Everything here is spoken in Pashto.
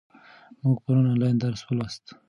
موږ پرون آنلاین درس ولوست.